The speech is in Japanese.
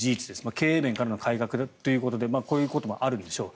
経営面からの改革ということでこういうこともあるんでしょう。